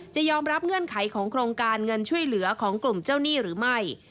จะยอมรับเงื่อนไขของโครงการเงินช่วยเหลือของกลุ่มเจ้าหนี้หรือไม่